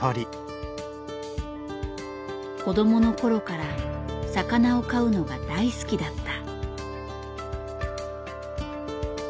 子どもの頃から魚を飼うのが大好きだった。